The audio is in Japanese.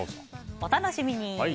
お楽しみに。